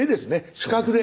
視覚で。